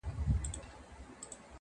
o هغه ځان ته نوی ژوند لټوي,